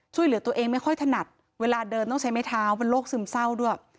ช่วยเหลือตัวเองไม่ค่อยถนัดเวลาเดินต้องใช้ไม้เท้าเป็นโรคซึมเศร้าด้วย